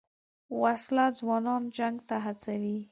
وسله ځوانان جنګ ته هڅوي